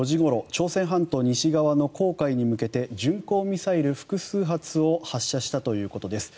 朝鮮半島西側の黄海に向けて巡航ミサイル複数発を発射したということです。